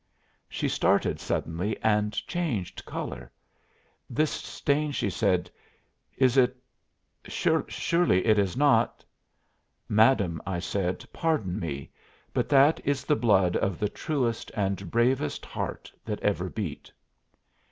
She started suddenly and changed color. "This stain," she said, "is it surely it is not " "Madam," I said, "pardon me, but that is the blood of the truest and bravest heart that ever beat."